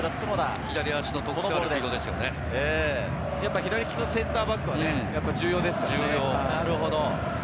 左利きのセンターバックは重要ですね。